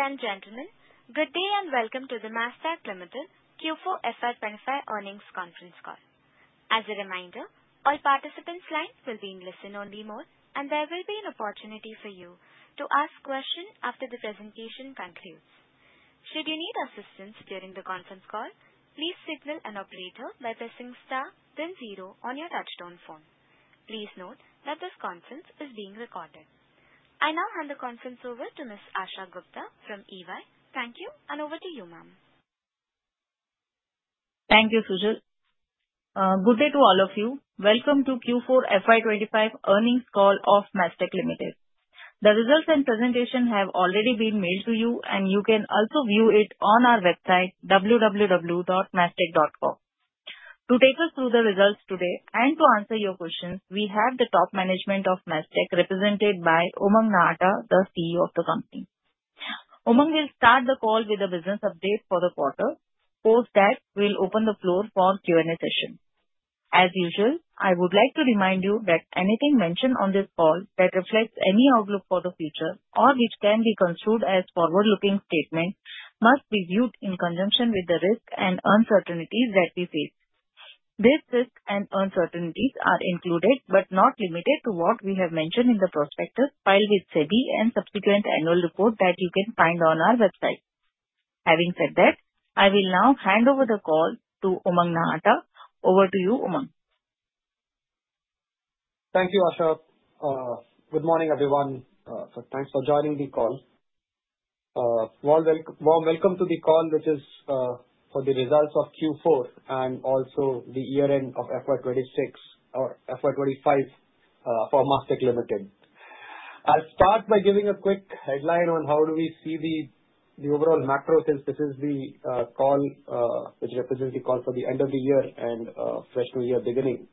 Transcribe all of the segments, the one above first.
Ladies and gentlemen, good day and welcome to the Mastek Limited Q4 FY25 Earnings Conference Call. As a reminder, all participants' lines will be in listen-only mode, and there will be an opportunity for you to ask questions after the presentation concludes. Should you need assistance during the conference call, please signal an operator by pressing star, then zero on your touchstone phone. Please note that this conference is being recorded. I now hand the conference over to Ms. Asha Gupta from EY. Thank you, and over to you, ma'am. Thank you, Sujal. Good day to all of you. Welcome to Q4 FY25 Earnings Call of Mastek Limited. The results and presentation have already been mailed to you, and you can also view it on our website, www.mastek.com. To take us through the results today and to answer your questions, we have the top management of Mastek represented by Umang Nahata, the CEO of the company. Umang will start the call with a business update for the quarter, post that we'll open the floor for Q&A session. As usual, I would like to remind you that anything mentioned on this call that reflects any outlook for the future or which can be construed as forward-looking statements must be viewed in conjunction with the risks and uncertainties that we face. These risks and uncertainties are included but not limited to what we have mentioned in the prospectus filed with SEBI and subsequent annual report that you can find on our website. Having said that, I will now hand over the call to Umang Nahata. Over to you, Umang. Thank you, Asha. Good morning, everyone. Thanks for joining the call. Warm welcome to the call, which is for the results of Q4 and also the year-end of FY2026 or FY2025 for Mastek Limited. I'll start by giving a quick headline on how do we see the overall macro since this is the call which represents the call for the end of the year and fresh new year beginning.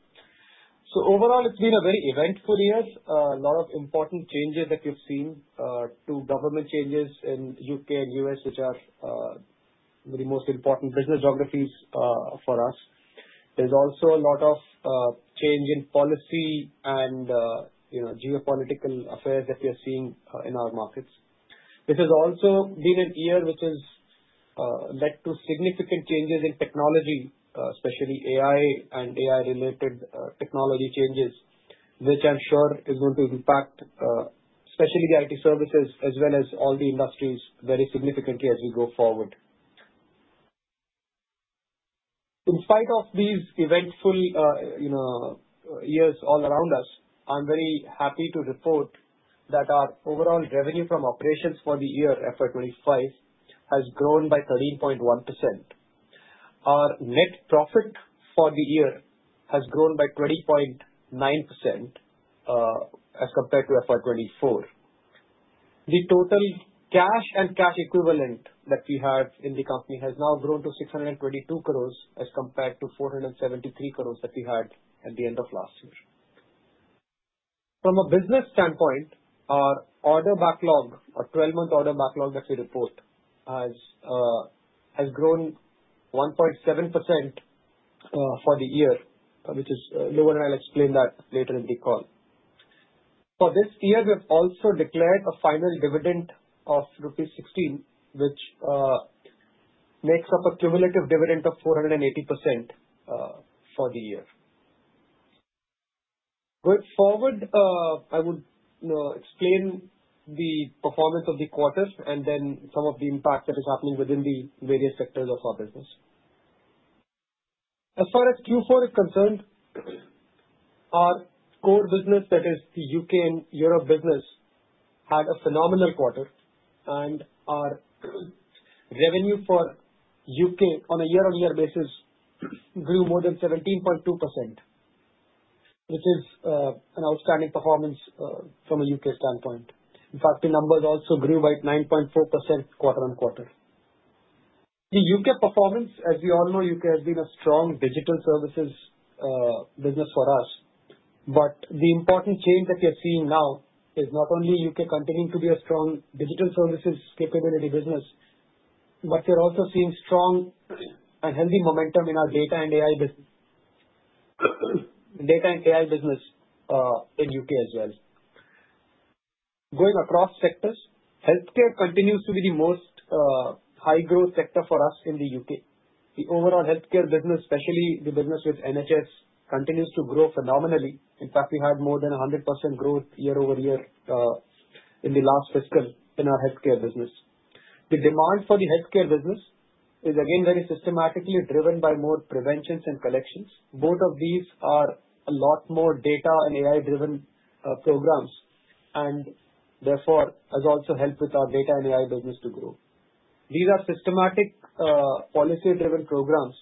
Overall, it's been a very eventful year. A lot of important changes that we've seen, two government changes in the U.K. and U.S., which are the most important business geographies for us. There's also a lot of change in policy and geopolitical affairs that we are seeing in our markets. This has also been a year which has led to significant changes in technology, especially AI and AI-related technology changes, which I'm sure is going to impact especially the IT services as well as all the industries very significantly as we go forward. In spite of these eventful years all around us, I'm very happy to report that our overall revenue from operations for the year FY2025 has grown by 13.1%. Our net profit for the year has grown by 20.9% as compared to FY2024. The total cash and cash equivalent that we have in the company has now grown to 622 crores as compared to 473 crores that we had at the end of last year. From a business standpoint, our order backlog, our 12-month order backlog that we report has grown 1.7% for the year, which is lower, and I'll explain that later in the call. For this year, we have also declared a final dividend of rupees 16, which makes up a cumulative dividend of 480% for the year. Going forward, I would explain the performance of the quarter and then some of the impact that is happening within the various sectors of our business. As far as Q4 is concerned, our core business, that is the U.K. and Europe business, had a phenomenal quarter, and our revenue for U.K. on a year-on-year basis grew more than 17.2%, which is an outstanding performance from a U.K. standpoint. In fact, the numbers also grew by 9.4% quarter-on-quarter. The U.K. performance, as we all know, U.K. has been a strong digital services business for us, but the important change that we are seeing now is not only U.K. continuing to be a strong digital services capability business, but we're also seeing strong and healthy momentum in our Data and AI business in U.K. as well. Going across sectors, healthcare continues to be the most high-growth sector for us in the U.K. The overall healthcare business, especially the business with NHS, continues to grow phenomenally. In fact, we had more than 100% growth year over year in the last fiscal in our healthcare business. The demand for the healthcare business is, again, very systematically driven by more preventions and collections. Both of these are a lot more Data and AI-driven programs, and therefore has also helped with our Data and AI business to grow. These are systematic policy-driven programs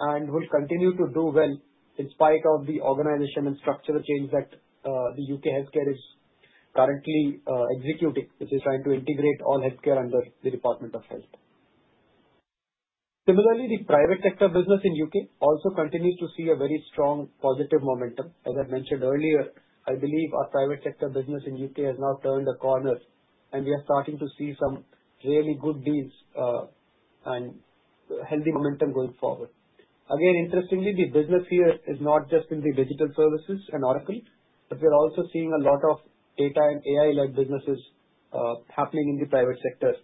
and will continue to do well in spite of the organization and structural change that the U.K. healthcare is currently executing, which is trying to integrate all healthcare under the Department of Health. Similarly, the private sector business in U.K. also continues to see a very strong positive momentum. As I mentioned earlier, I believe our private sector business in U.K. has now turned a corner, and we are starting to see some really good deals and healthy momentum going forward. Again, interestingly, the business here is not just in the digital services and Oracle, but we're also seeing a lot of Data and AI-led businesses happening in the private sector,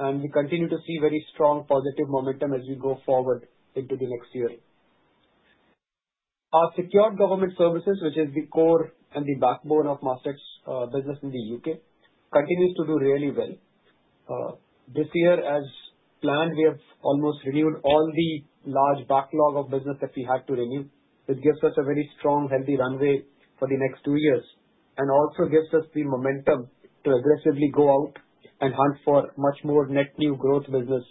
and we continue to see very strong positive momentum as we go forward into the next year. Our secured government services, which is the core and the backbone of Mastek's business in the U.K., continue to do really well. This year, as planned, we have almost renewed all the large backlog of business that we had to renew, which gives us a very strong, healthy runway for the next two years and also gives us the momentum to aggressively go out and hunt for much more net new growth business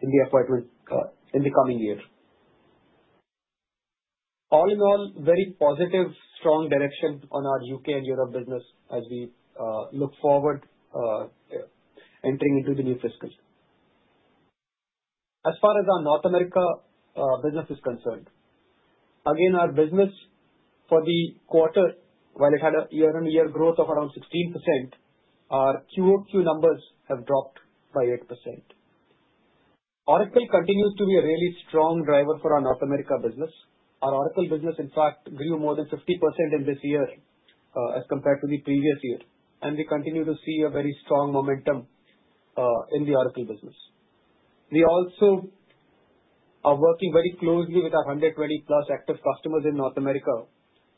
in the FY2025 in the coming year. All in all, very positive, strong direction on our U.K. and Europe business as we look forward entering into the new fiscal year. As far as our North America business is concerned, again, our business for the quarter, while it had a year-on-year growth of around 16%, our Q-o-Q numbers have dropped by 8%. Oracle continues to be a really strong driver for our North America business. Our Oracle business, in fact, grew more than 50% in this year as compared to the previous year, and we continue to see a very strong momentum in the Oracle business. We also are working very closely with our 120-plus active customers in North America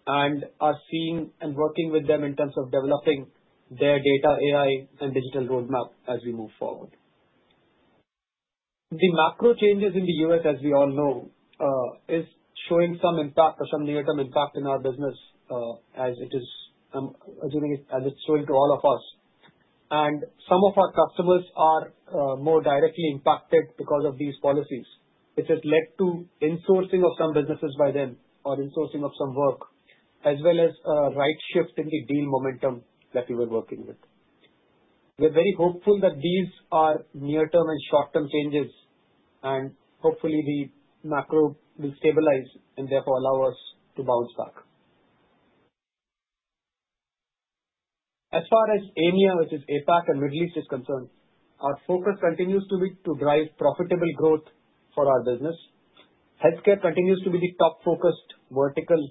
and are seeing and working with them in terms of developing their Data, AI and Digital roadmap as we move forward. The macro changes in the U.S., as we all know, are showing some impact or some near-term impact in our business, as it is showing to all of us. Some of our customers are more directly impacted because of these policies, which has led to in-sourcing of some businesses by them or i-sourcing of some work, as well as a right shift in the deal momentum that we were working with. We're very hopeful that these are near-term and short-term changes, and hopefully, the macro will stabilize and therefore allow us to bounce back. As far as EMEA, which is APAC and Middle East is concerned, our focus continues to be to drive profitable growth for our business. Healthcare continues to be the top-focused vertical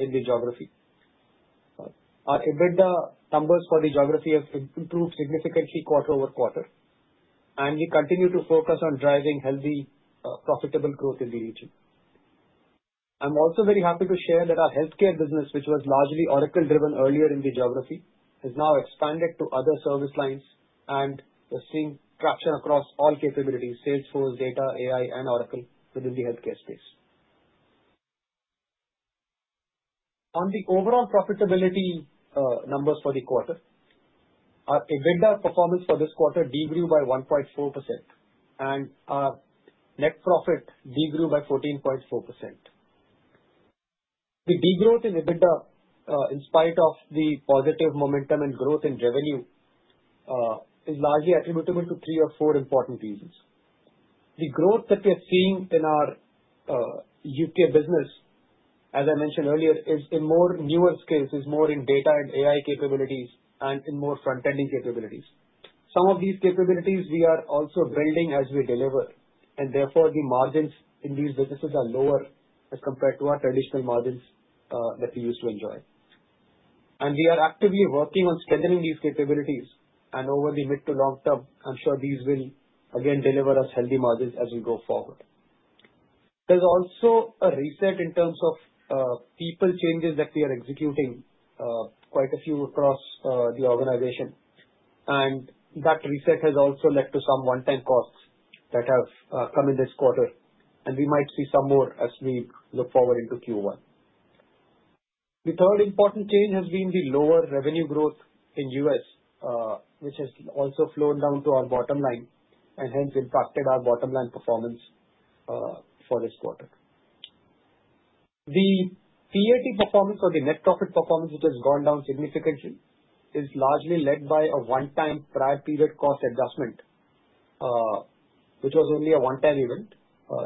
in the geography. Our EBITDA numbers for the geography have improved significantly quarter-over-quarter, and we continue to focus on driving healthy, profitable growth in the region. I'm also very happy to share that our healthcare business, which was largely Oracle-driven earlier in the geography, has now expanded to other service lines, and we're seeing traction across all capabilities: Salesforce, Data, AI, and Oracle within the healthcare space. On the overall profitability numbers for the quarter, our EBITDA performance for this quarter de-grew by 1.4%, and our net profit de-grew by 14.4%. The de-growth in EBITDA, in spite of the positive momentum and growth in revenue, is largely attributable to three or four important reasons. The growth that we are seeing in our U.K. business, as I mentioned earlier, is in more newer skills, is more in Data and AI capabilities, and in more front-ending capabilities. Some of these capabilities we are also building as we deliver, and therefore the margins in these businesses are lower as compared to our traditional margins that we used to enjoy. We are actively working on strengthening these capabilities, and over the mid to long term, I'm sure these will, again, deliver us healthy margins as we go forward. There's also a reset in terms of people changes that we are executing quite a few across the organization, and that reset has also led to some one-time costs that have come in this quarter, and we might see some more as we look forward into Q1. The third important change has been the lower revenue growth in the U.S., which has also flown down to our bottom line and hence impacted our bottom-line performance for this quarter. The PAT performance or the net profit performance, which has gone down significantly, is largely led by a one-time prior period cost adjustment, which was only a one-time event.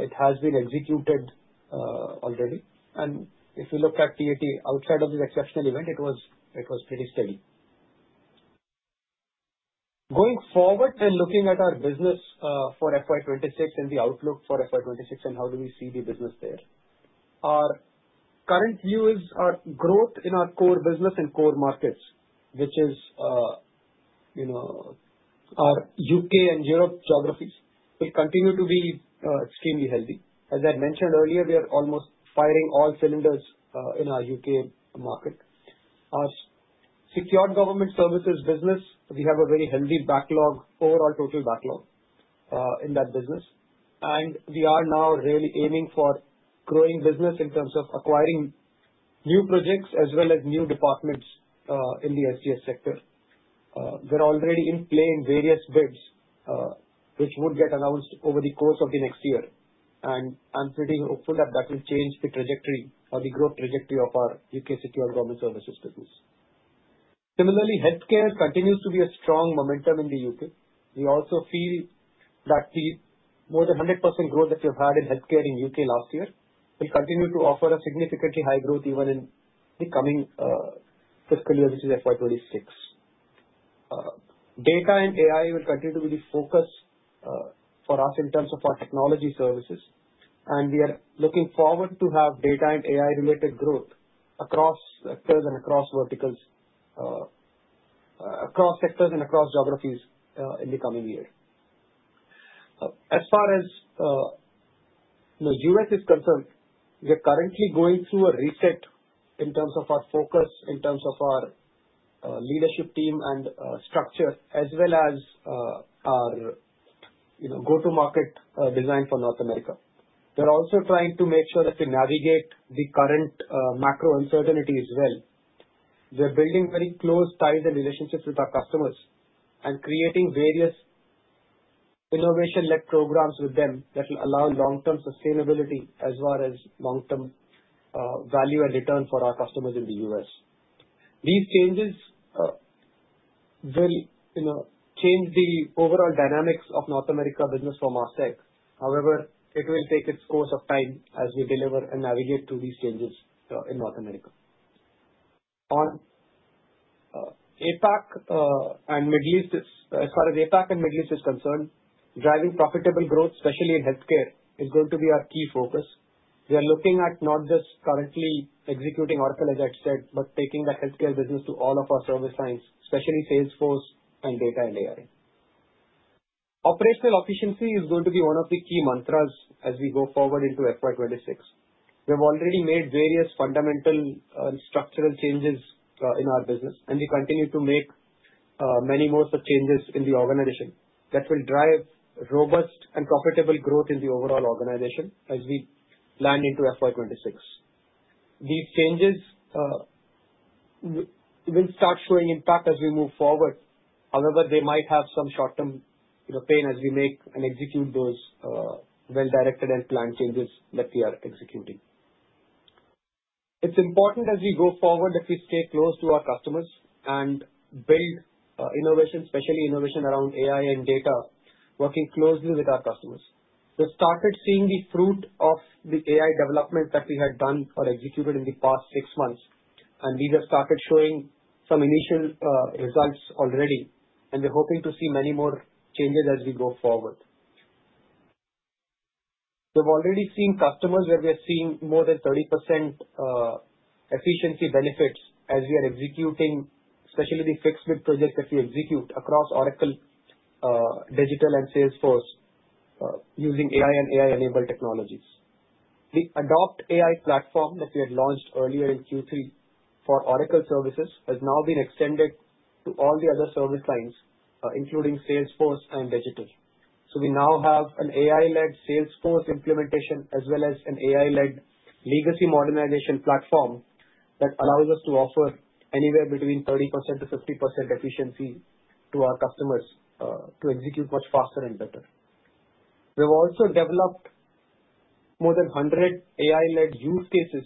It has been executed already, and if you look at PAT outside of this exceptional event, it was pretty steady. Going forward and looking at our business for FY2026 and the outlook for FY2026 and how do we see the business there, our current view is our growth in our core business and core markets, which is our U.K. and Europe geographies, will continue to be extremely healthy. As I mentioned earlier, we are almost firing all cylinders in our U.K. market. Our secure government services business, we have a very healthy backlog, overall total backlog in that business, and we are now really aiming for growing business in terms of acquiring new projects as well as new departments in the SGS sector. We're already in play in various bids, which would get announced over the course of the next year, and I'm pretty hopeful that that will change the trajectory or the growth trajectory of our U.K. secure government services business. Similarly, healthcare continues to be a strong momentum in the U.K. We also feel that the more than 100% growth that we've had in healthcare in the U.K. last year will continue to offer a significantly high growth even in the coming fiscal year, which is FY2026. Data and AI will continue to be the focus for us in terms of our technology services, and we are looking forward to have Data and AI-related growth across sectors and across verticals, across sectors and across geographies in the coming year. As far as the U.S. is concerned, we are currently going through a reset in terms of our focus, in terms of our leadership team and structure, as well as our go-to-market design for North America. We're also trying to make sure that we navigate the current macro uncertainty as well. We're building very close ties and relationships with our customers and creating various innovation-led programs with them that will allow long-term sustainability as well as long-term value and return for our customers in the U.S. These changes will change the overall dynamics of North America business from our stack. However, it will take its course of time as we deliver and navigate through these changes in North America. On APAC and Middle East, as far as APAC and Middle East is concerned, driving profitable growth, especially in healthcare, is going to be our key focus. We are looking at not just currently executing Oracle, as I said, but taking that healthcare business to all of our service lines, especially Salesforce and Data and AI. Operational efficiency is going to be one of the key mantras as we go forward into FY2026. We have already made various fundamental and structural changes in our business, and we continue to make many more such changes in the organization that will drive robust and profitable growth in the overall organization as we land into FY 2026. These changes will start showing impact as we move forward. However, they might have some short-term pain as we make and execute those well-directed and planned changes that we are executing. It's important as we go forward that we stay close to our customers and build innovation, especially innovation around AI and Data, working closely with our customers. We've started seeing the fruit of the AI development that we had done or executed in the past six months, and these have started showing some initial results already, and we're hoping to see many more changes as we go forward. We've already seen customers where we are seeing more than 30% efficiency benefits as we are executing, especially the fixed-bid projects that we execute across Oracle, Digital, and Salesforce using AI and AI-enabled technologies. The ADOPT AI platform that we had launched earlier in Q3 for Oracle services has now been extended to all the other service lines, including Salesforce and Digital. We now have an AI-led Salesforce implementation as well as an AI-led legacy modernization platform that allows us to offer anywhere between 30%-50% efficiency to our customers to execute much faster and better. We have also developed more than 100 AI-led use cases,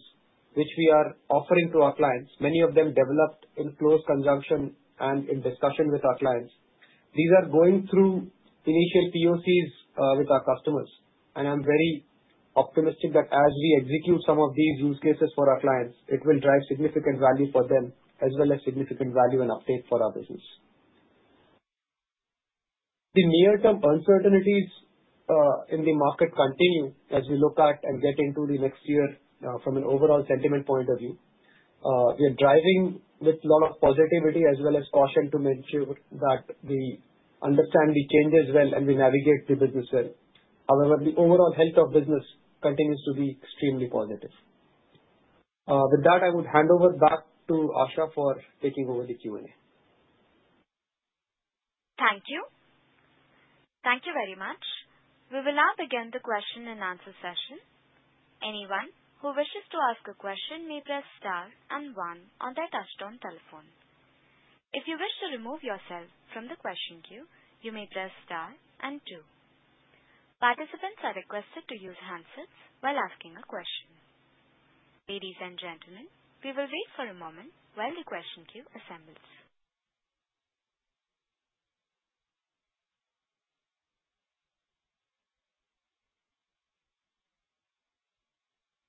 which we are offering to our clients, many of them developed in close conjunction and in discussion with our clients. These are going through initial POCs with our customers, and I'm very optimistic that as we execute some of these use cases for our clients, it will drive significant value for them as well as significant value and uptake for our business. The near-term uncertainties in the market continue as we look at and get into the next year from an overall sentiment point of view. We are driving with a lot of positivity as well as caution to make sure that we understand the changes well and we navigate the business well. However, the overall health of business continues to be extremely positive. With that, I would hand over back to Asha for taking over the Q&A. Thank you. Thank you very much. We will now begin the question and answer session. Anyone who wishes to ask a question may press star and one on their touchstone telephone. If you wish to remove yourself from the question queue, you may press star and two. Participants are requested to use handsets while asking a question. Ladies and gentlemen, we will wait for a moment while the question queue assembles.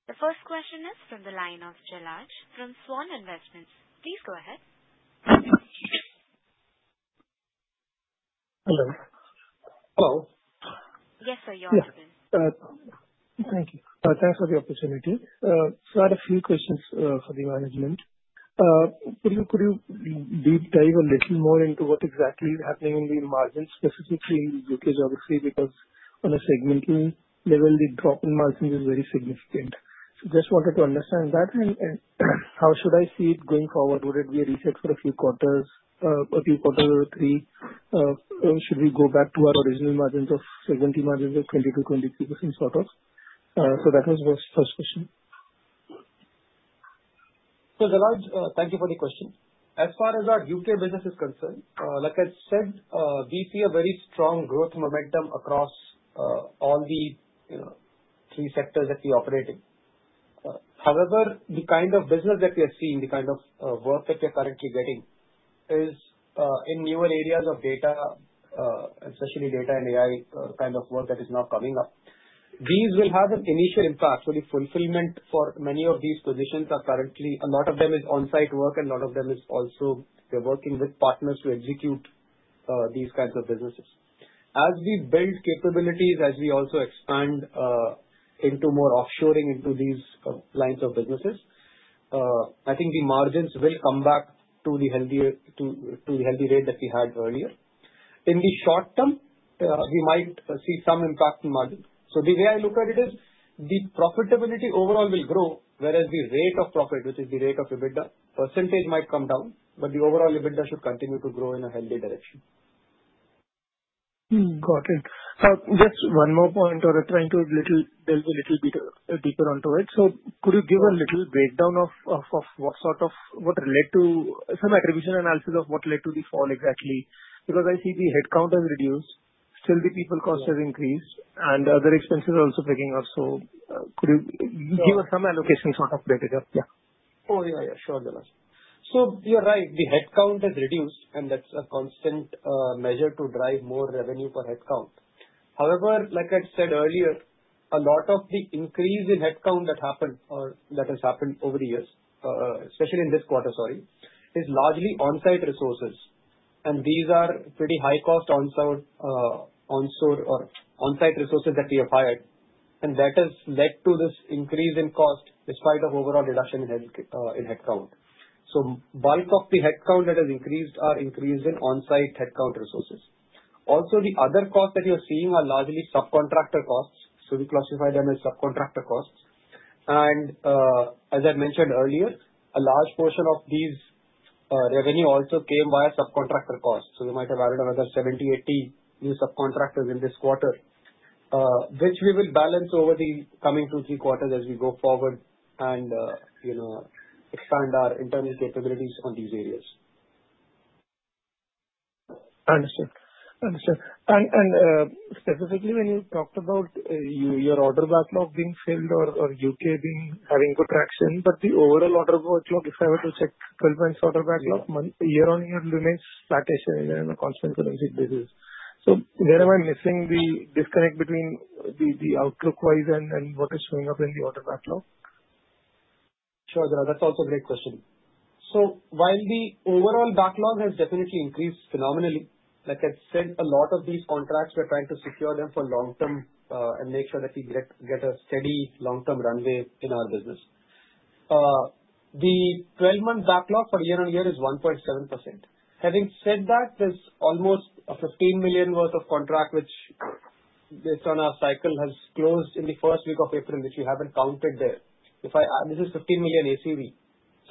The first question is from the line of Jalaj from Svan Investments. Please go ahead. Hello. Hello. Yes, sir, you're on the line. Yes. Thank you. Thanks for the opportunity. I had a few questions for the management. Could you deep dive a little more into what exactly is happening in the margins, specifically in the U.K. geography? Because on a segmenting level, the drop in margins is very significant. I just wanted to understand that, and how should I see it going forward? Would it be a reset for a few quarters, a two quarters or three? When should we go back to our original margins of segmenting margins of 22%-23% sort of? That was my first question. Jalaj, thank you for the question. As far as our U.K. business is concerned, like I said, we see a very strong growth momentum across all the three sectors that we operate in. However, the kind of business that we are seeing, the kind of work that we are currently getting is in newer areas of Data, especially Data and AI kind of work that is now coming up. These will have an initial impact, so the fulfillment for many of these positions are currently, a lot of them is on-site work, and a lot of them is also we're working with partners to execute these kinds of businesses. As we build capabilities, as we also expand into more offshoring into these lines of businesses, I think the margins will come back to the healthy rate that we had earlier. In the short term, we might see some impact in margin. The way I look at it is the profitability overall will grow, whereas the rate of profit, which is the rate of EBITDA, percentage might come down, but the overall EBITDA should continue to grow in a healthy direction. Got it. Just one more point, I'm trying to delve a little bit deeper onto it. Could you give a little breakdown of what sort of what led to some attribution analysis of what led to the fall exactly? I see the headcount has reduced, still the people cost has increased, and other expenses are also picking up. Could you give us some allocation sort of Data? Yeah. Oh, yeah, yeah. Sure, Jalaj. You're right. The headcount has reduced, and that's a constant measure to drive more revenue for headcount. However, like I said earlier, a lot of the increase in headcount that happened or that has happened over the years, especially in this quarter, is largely on-site resources, and these are pretty high cost on-site resources that we have hired, and that has led to this increase in cost despite overall reduction in headcount. Bulk of the headcount that has increased are increased in on-site headcount resources. Also, the other costs that you're seeing are largely subcontractor costs, so we classify them as subcontractor costs. As I mentioned earlier, a large portion of these revenue also came via subcontractor costs. We might have added another 70-80 new subcontractors in this quarter, which we will balance over the coming two-three quarters as we go forward and expand our internal capabilities on these areas. Understood. Understood. Specifically, when you talked about your order backlog being filled or U.K. having good traction, but the overall order workload, if I were to check 12 months order backlog, year-on-year remains flat, as you said, in a constant continuous basis. Where am I missing the disconnect between the outlook-wise and what is showing up in the order backlog? Sure, Jalaj. That's also a great question. While the overall backlog has definitely increased phenomenally, like I said, a lot of these contracts, we're trying to secure them for long-term and make sure that we get a steady long-term runway in our business. The 12-month backlog for year-on-year is 1.7%. Having said that, there's almost $15 million worth of contract, which based on our cycle has closed in the first week of April, which we haven't counted there. This is $15 million ACV.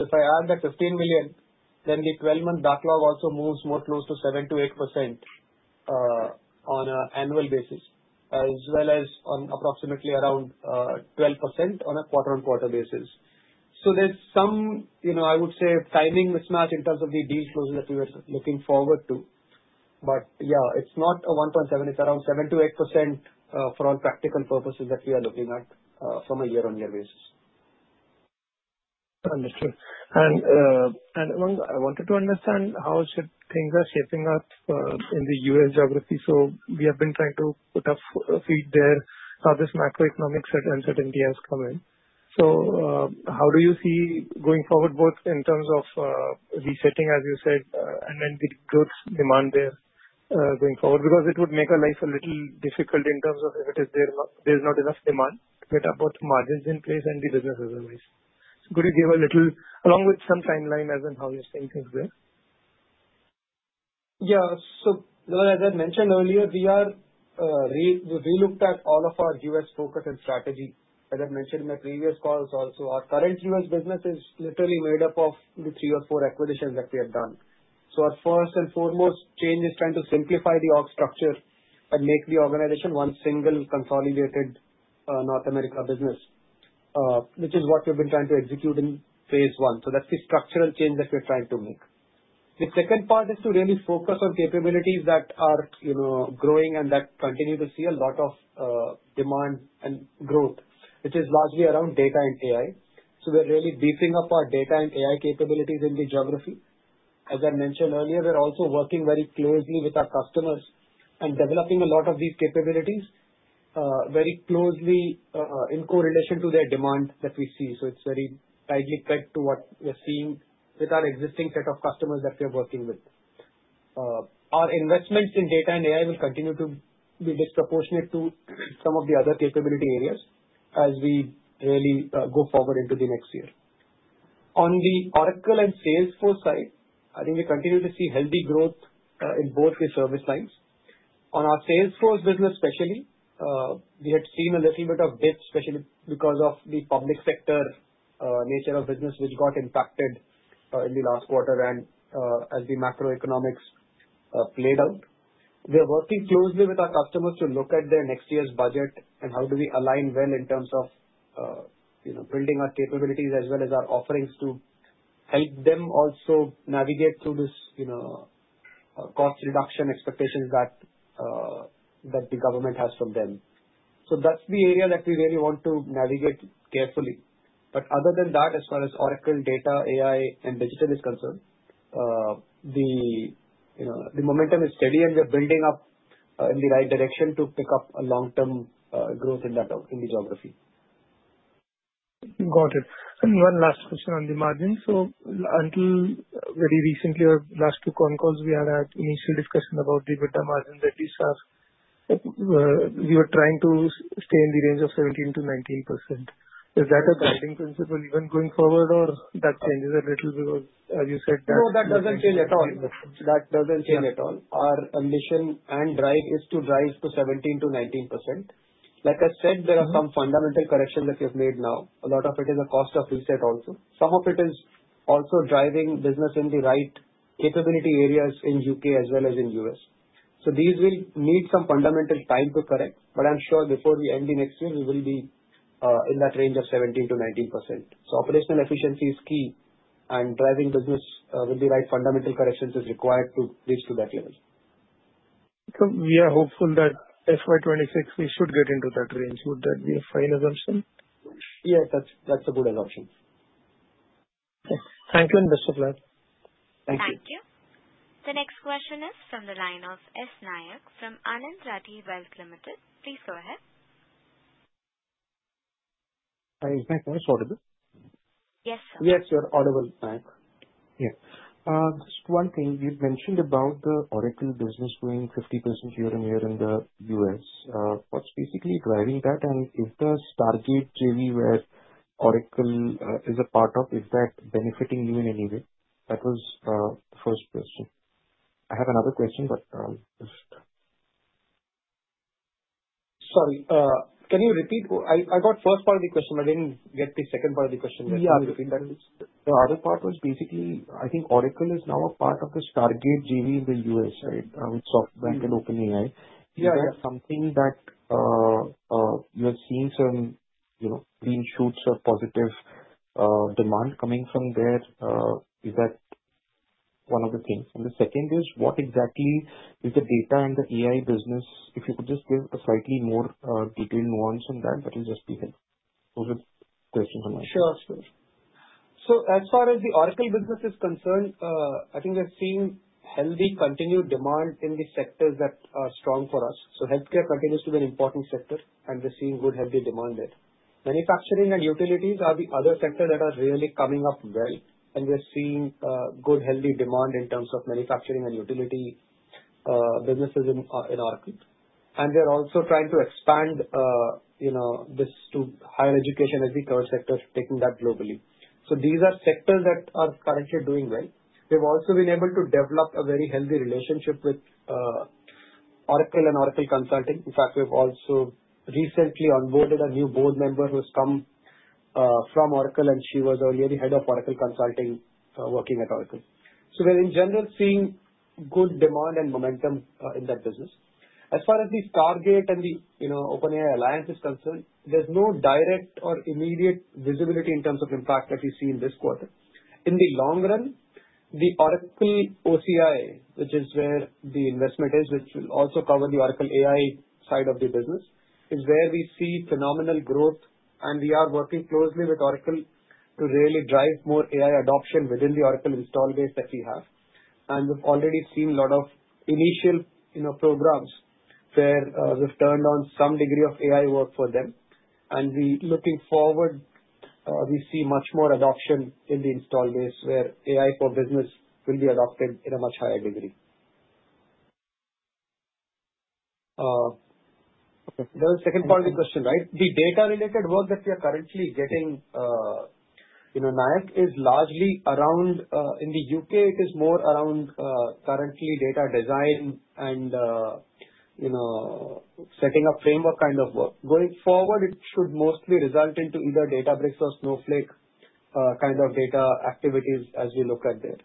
If I add that $15 million, then the 12-month backlog also moves more close to 7-8% on an annual basis, as well as on approximately around 12% on a quarter-on-quarter basis. There's some, I would say, timing mismatch in terms of the deal closes that we were looking forward to. Yeah, it's not a 1.7%, it's around 7-8% for all practical purposes that we are looking at from a year-on-year basis. Understood. I wanted to understand how things are shaping up in the U.S. geography. We have been trying to put a feet there, how this macroeconomic uncertainty has come in. How do you see going forward, both in terms of resetting, as you said, and then the growth demand there going forward? It would make our life a little difficult in terms of if there is not enough demand to get both margins in place and the business otherwise. Could you give a little, along with some timeline as in how you are seeing things there? Yeah. As I mentioned earlier, we looked at all of our U.S. focus and strategy. As I mentioned in my previous calls also, our current U.S. business is literally made up of the three or four acquisitions that we have done. Our first and foremost change is trying to simplify the org structure and make the organization one single consolidated North America business, which is what we've been trying to execute in phase I. That is the structural change that we're trying to make. The second part is to really focus on capabilities that are growing and that continue to see a lot of demand and growth, which is largely around Data and AI. We're really beefing up our Data and AI capabilities in the geography. As I mentioned earlier, we're also working very closely with our customers and developing a lot of these capabilities very closely in correlation to their demand that we see. It is very tightly pegged to what we're seeing with our existing set of customers that we are working with. Our investments in Data and AI will continue to be disproportionate to some of the other capability areas as we really go forward into the next year. On the Oracle and Salesforce side, I think we continue to see healthy growth in both the service lines. On our Salesforce business, especially, we had seen a little bit of dip, especially because of the public sector nature of business, which got impacted in the last quarter as the macroeconomics played out. We are working closely with our customers to look at their next year's budget and how do we align well in terms of building our capabilities as well as our offerings to help them also navigate through this cost reduction expectations that the government has from them. That is the area that we really want to navigate carefully. Other than that, as far as Oracle, Data, AI, and Digital is concerned, the momentum is steady, and we're building up in the right direction to pick up long-term growth in the geography. Got it. One last question on the margins. Until very recently, our last two con calls, we had an initial discussion about the EBITDA margins that these are we were trying to stay in the range of 17-19%. Is that a guiding principle even going forward, or that changes a little because, as you said, that's the. No, that doesn't change at all. That doesn't change at all. Our ambition and drive is to drive to 17%-19%. Like I said, there are some fundamental corrections that we have made now. A lot of it is a cost of reset also. Some of it is also driving business in the right capability areas in the U.K. as well as in the U.S. These will need some fundamental time to correct, but I'm sure before we end the next year, we will be in that range of 17%-19%. Operational efficiency is key, and driving business with the right fundamental corrections is required to reach to that level. We are hopeful that FY2026, we should get into that range. Would that be a fine assumption? Yes, that's a good assumption. Okay. Thank you. Thank you. Thank you. The next question is from the line of S. Nayak from Anand Rathi Wealth Limited. Please go ahead. Hi. Is my voice audible? Yes, sir. Yes, you're audible, Naik. Yeah. Just one thing. You mentioned about the Oracle business growing 50% year-on-year in the U.S. What's basically driving that, and is the Stargate JV where Oracle is a part of, is that benefiting you in any way? That was the first question. I have another question, but. Sorry. Can you repeat? I got the first part of the question. I didn't get the second part of the question. Can you repeat that? The other part was basically, I think Oracle is now a part of the Stargate JV in the U.S., right, with SoftBank and OpenAI. Is that something that you are seeing some green shoots of positive demand coming from there? Is that one of the things? The second is, what exactly is the Data and the AI business? If you could just give a slightly more detailed nuance on that, that will just be helpful. Those are the questions on my end. Sure, sure. As far as the Oracle business is concerned, I think we're seeing healthy continued demand in the sectors that are strong for us. Healthcare continues to be an important sector, and we're seeing good healthy demand there. Manufacturing and utilities are the other sectors that are really coming up well, and we're seeing good healthy demand in terms of manufacturing and utility businesses in Oracle. We're also trying to expand this to higher education as the third sector, taking that globally. These are sectors that are currently doing well. We've also been able to develop a very healthy relationship with Oracle and Oracle Consulting. In fact, we've also recently onboarded a new board member who's come from Oracle, and she was earlier the Head of Oracle Consulting working at Oracle. We're in general seeing good demand and momentum in that business. As far as the Stargate and the OpenAI Alliance is concerned, there's no direct or immediate visibility in terms of impact that we see in this quarter. In the long run, the Oracle OCI, which is where the investment is, which will also cover the Oracle AI side of the business, is where we see phenomenal growth, and we are working closely with Oracle to really drive more AI adoption within the Oracle install base that we have. We've already seen a lot of initial programs where we've turned on some degree of AI work for them. Looking forward, we see much more adoption in the install base where AI for business will be adopted in a much higher degree. Okay. That was the second part of the question, right? The data-related work that we are currently getting, Naik, is largely around in the U.K., it is more around currently data design and setting up framework kind of work. Going forward, it should mostly result into either Databricks or Snowflake kind of data activities as we look at there.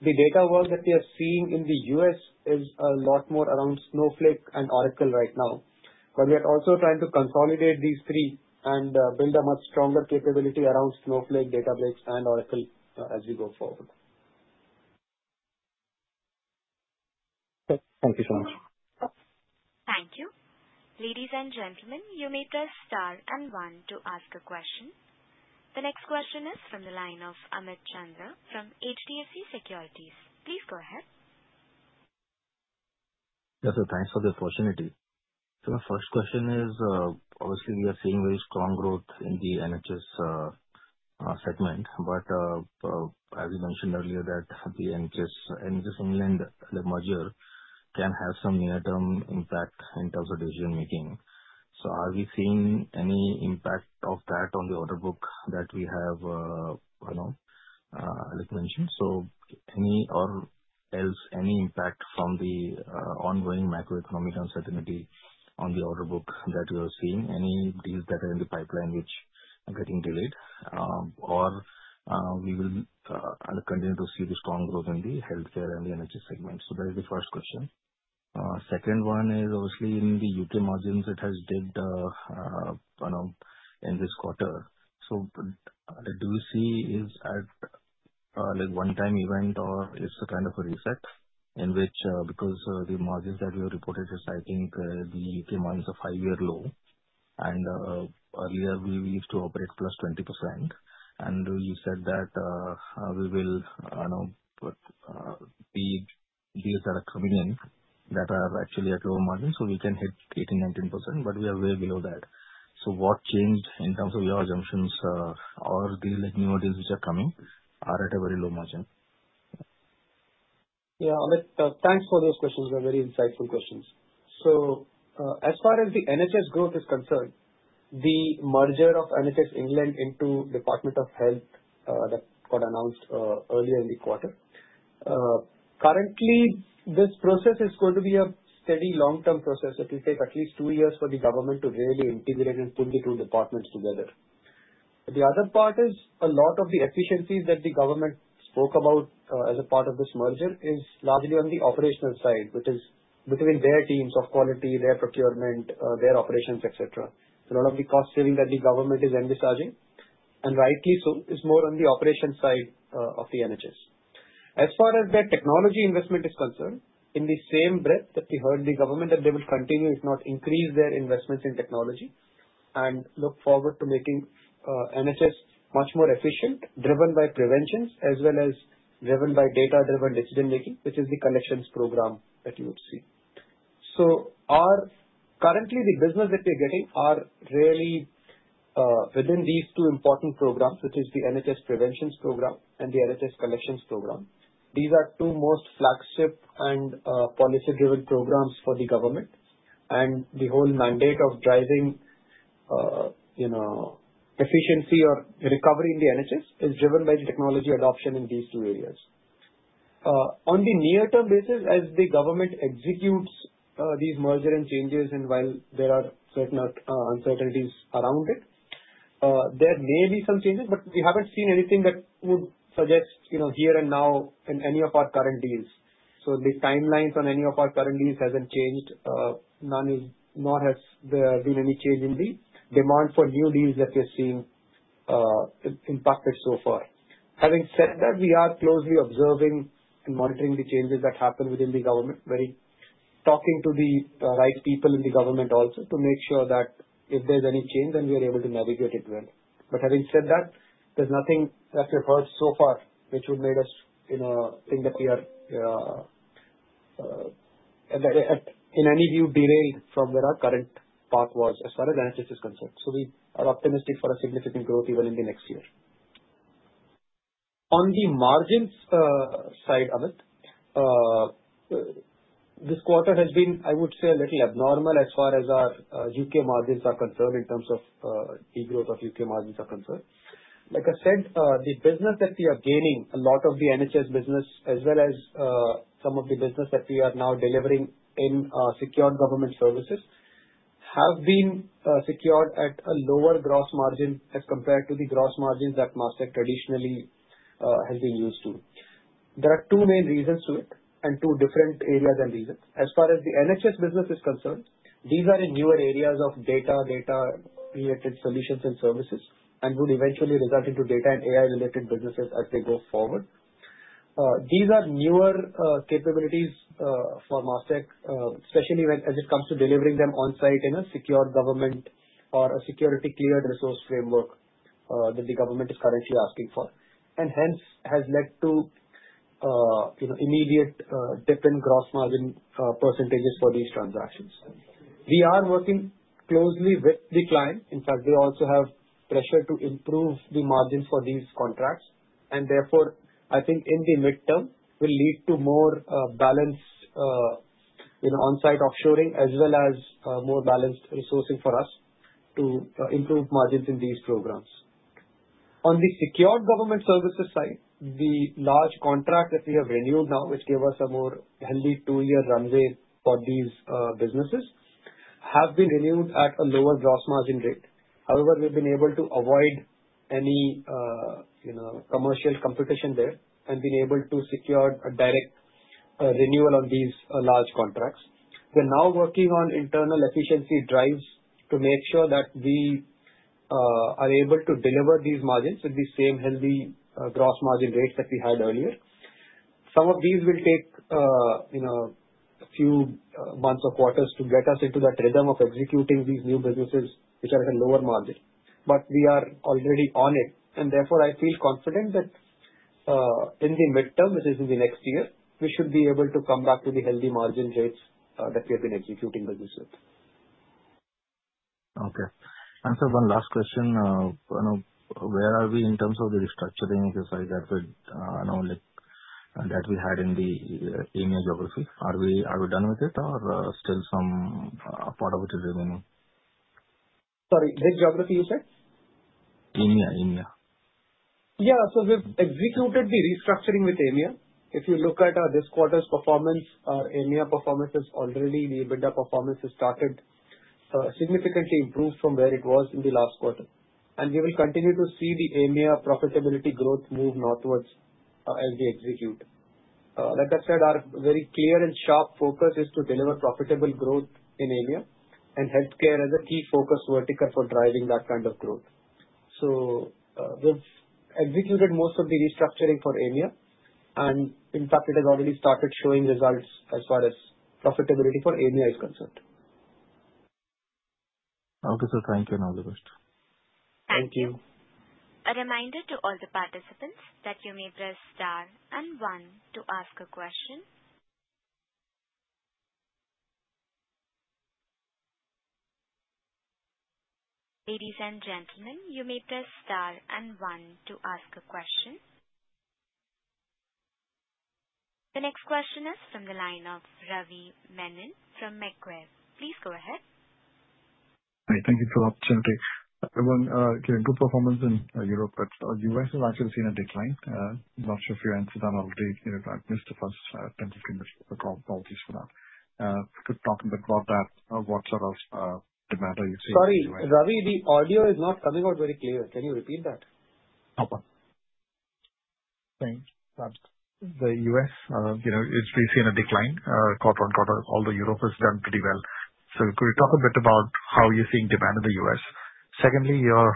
The data work that we are seeing in the U.S. is a lot more around Snowflake and Oracle right now. We are also trying to consolidate these three and build a much stronger capability around Snowflake, Databricks, and Oracle as we go forward. Thank you so much. Thank you. Ladies and gentlemen, you may press star and one to ask a question. The next question is from the line of Amit Chandra from HDFC Securities. Please go ahead. Yes, so thanks for the opportunity. The first question is, obviously, we are seeing very strong growth in the NHS segment, but as you mentioned earlier, that the NHS England merger can have some near-term impact in terms of decision-making. Are we seeing any impact of that on the order book that we have, like mentioned? Else, any impact from the ongoing macroeconomic uncertainty on the order book that we are seeing? Any deals that are in the pipeline which are getting delayed? Will we continue to see the strong growth in the healthcare and the NHS segment? That is the first question. The second one is, obviously, in the U.K. margins, it has dipped in this quarter. Do you see it's a one-time event, or it's a kind of a reset in which because the margins that we have reported is, I think, the U.K. margins are five-year low, and earlier we used to operate plus 20%. You said that we will be deals that are coming in that are actually at low margin, so we can hit 18-19%, but we are way below that. What changed in terms of your assumptions or the new deals which are coming are at a very low margin? Yeah, Amit, thanks for those questions. They're very insightful questions. As far as the NHS growth is concerned, the merger of NHS England into Department of Health that got announced earlier in the quarter, currently, this process is going to be a steady long-term process that will take at least two years for the government to really integrate and pull the two departments together. The other part is a lot of the efficiencies that the government spoke about as a part of this merger is largely on the operational side, which is between their teams of quality, their procurement, their operations, etc. A lot of the cost savings that the government is envisaging, and rightly so, is more on the operation side of the NHS. As far as their technology investment is concerned, in the same breadth that we heard the government that they will continue, if not increase, their investments in technology and look forward to making NHS much more efficient, driven by preventions as well as driven by data-driven decision-making, which is the collections program that you would see. Currently, the business that we are getting are really within these two important programs, which is the NHS Preventions Program and the NHS Collections Program. These are two most flagship and policy-driven programs for the government, and the whole mandate of driving efficiency or recovery in the NHS is driven by the technology adoption in these two areas. On the near-term basis, as the government executes these merger and changes, and while there are certain uncertainties around it, there may be some changes, but we haven't seen anything that would suggest here and now in any of our current deals. So the timelines on any of our current deals haven't changed. Nor has there been any change in the demand for new deals that we are seeing impacted so far. Having said that, we are closely observing and monitoring the changes that happen within the government, talking to the right people in the government also to make sure that if there's any change, then we are able to navigate it well. Having said that, there's nothing that we've heard so far which would make us think that we are, in any view, derailed from where our current path was as far as NHS is concerned. We are optimistic for significant growth even in the next year. On the margins side, Amit, this quarter has been, I would say, a little abnormal as far as our U.K. margins are concerned in terms of de-growth of U.K. margins are concerned. Like I said, the business that we are gaining, a lot of the NHS business, as well as some of the business that we are now delivering in secured government services, have been secured at a lower gross margin as compared to the gross margins that Mastek traditionally has been used to. There are two main reasons to it and two different areas and reasons. As far as the NHS business is concerned, these are in newer areas of data-related solutions and services and would eventually result into Data and AI-related businesses as they go forward. These are newer capabilities for Mastek, especially as it comes to delivering them on-site in a secured government or a security-cleared resource framework that the government is currently asking for, and hence has led to immediate dip in gross margin percentages for these transactions. We are working closely with the client. In fact, we also have pressure to improve the margins for these contracts. Therefore, I think in the midterm, will lead to more balanced on-site offshoring as well as more balanced resourcing for us to improve margins in these programs. On the secured government services side, the large contract that we have renewed now, which gave us a more healthy two-year runway for these businesses, have been renewed at a lower gross margin rate. However, we've been able to avoid any commercial competition there and been able to secure a direct renewal on these large contracts. We're now working on internal efficiency drives to make sure that we are able to deliver these margins with the same healthy gross margin rates that we had earlier. Some of these will take a few months or quarters to get us into that rhythm of executing these new businesses, which are at a lower margin. We are already on it, and therefore, I feel confident that in the midterm, which is in the next year, we should be able to come back to the healthy margin rates that we have been executing like we said. Okay. One last question. Where are we in terms of the restructuring exercise that we had in the EMEA geography? Are we done with it, or is some part of it still remaining? Sorry, which geography you said? EMEA. Yeah. We have executed the restructuring with EMEA. If you look at this quarter's performance, our EMEA performance has already—the EBITDA performance has started significantly improved from where it was in the last quarter. We will continue to see the EMEA profitability growth move northwards as we execute. Like I said, our very clear and sharp focus is to deliver profitable growth in EMEA and healthcare as a key focus vertical for driving that kind of growth. We have executed most of the restructuring for EMEA, and in fact, it has already started showing results as far as profitability for EMEA is concerned. Thank you and all the best. Thank you. A reminder to all the participants that you may press star and one to ask a question. Ladies and gentlemen, you may press star and one to ask a question. The next question is from the line of Ravi Menon from Macquarie. Please go ahead. Hi. Thank you for the opportunity. Everyone giving good performance in Europe, but U.S. has actually seen a decline. Not sure if your answers are already—I missed the first 10-15 minutes of the call. Apologies for that. Could talk a bit about that. What sort of demand are you seeing? Sorry, Ravi, the audio is not coming out very clear. Can you repeat that? No problem. Thanks. The U.S., we've seen a decline quarter on quarter, although Europe has done pretty well. Could you talk a bit about how you're seeing demand in the U.S.? Secondly, your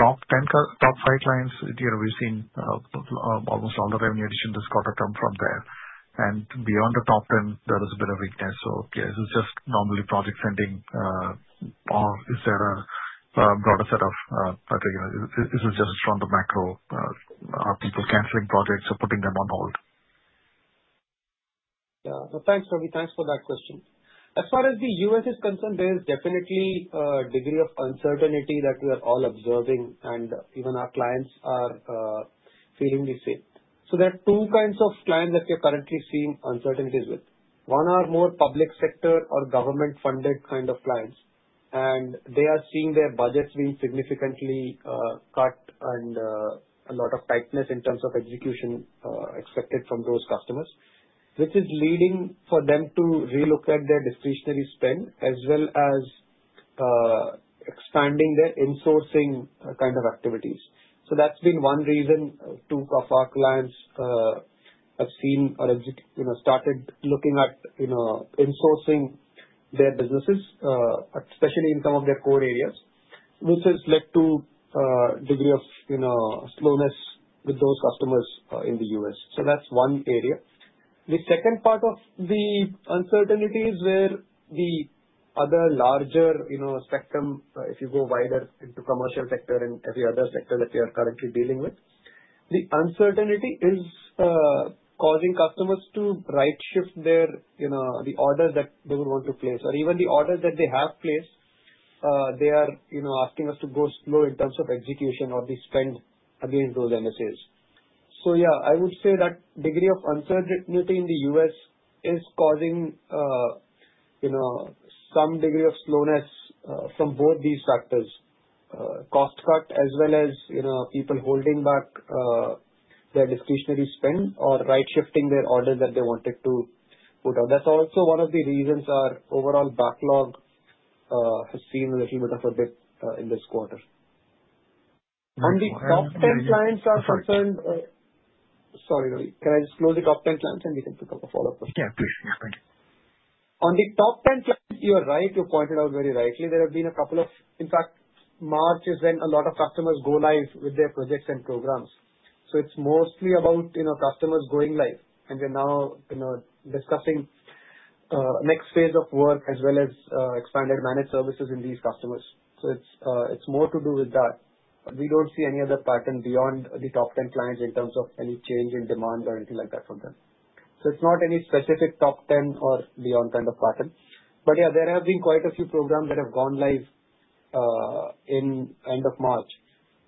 top five clients, we've seen almost all the revenue addition this quarter come from there. Beyond the top 10, there is a bit of weakness. Is it just normally project sending, or is there a broader set of—is it just from the macro? Are people canceling projects or putting them on hold? Yeah. Thanks, Ravi. Thanks for that question. As far as the U.S. is concerned, there is definitely a degree of uncertainty that we are all observing, and even our clients are feeling the same. There are two kinds of clients that we are currently seeing uncertainties with. One are more public sector or government-funded kind of clients, and they are seeing their budgets being significantly cut and a lot of tightness in terms of execution expected from those customers, which is leading for them to relook at their discretionary spend as well as expanding their insourcing kind of activities. That has been one reason two of our clients have seen or started looking at in-sourcing their businesses, especially in some of their core areas, which has led to a degree of slowness with those customers in the U.S. That is one area. The second part of the uncertainty is where the other larger spectrum, if you go wider into commercial sector and every other sector that we are currently dealing with, the uncertainty is causing customers to right-shift the orders that they would want to place, or even the orders that they have placed. They are asking us to go slow in terms of execution or the spend against those MSAs. Yeah, I would say that degree of uncertainty in the U.S. is causing some degree of slowness from both these factors: cost cut as well as people holding back their discretionary spend or right-shifting their orders that they wanted to put out. That is also one of the reasons our overall backlog has seen a little bit of a dip in this quarter. On the top 10 clients are concerned—sorry, Ravi. Can I just close the top 10 clients, and we can pick up a follow-up question? Yeah, please. Thank you. On the top 10 clients, you are right. You pointed out very rightly. There have been a couple of—in fact, March is when a lot of customers go live with their projects and programs. It is mostly about customers going live, and we are now discussing the next phase of work as well as expanded managed services in these customers. It is more to do with that. We do not see any other pattern beyond the top 10 clients in terms of any change in demand or anything like that for them. It is not any specific top 10 or beyond kind of pattern. Yeah, there have been quite a few programs that have gone live in the end of March,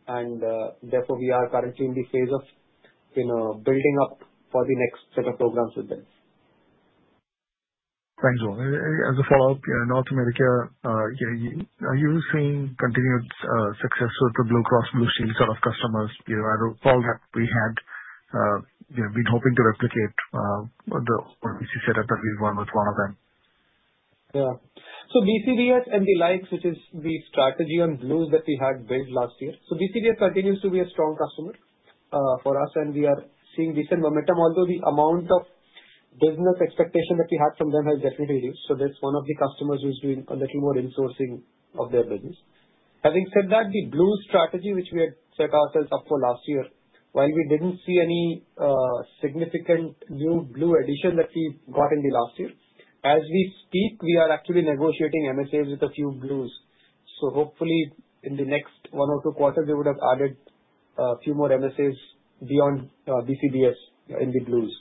and therefore, we are currently in the phase of building up for the next set of programs with them. Thank you. As a follow-up, in North America, are you seeing continued success with the Blue Cross Blue Shield sort of customers? I recall that we had been hoping to replicate what we set up that we've run with one of them. Yeah. BCBS and the likes, which is the strategy on Blues that we had built last year. BCBS continues to be a strong customer for us, and we are seeing decent momentum, although the amount of business expectation that we had from them has definitely reduced. That is one of the customers who is doing a little more insourcing of their business. Having said that, the Blues strategy, which we had set ourselves up for last year, while we did not see any significant new Blues addition that we got in the last year, as we speak, we are actually negotiating MSAs with a few Blues. Hopefully, in the next one or two quarters, we would have added a few more MSAs beyond BCBS in the Blues.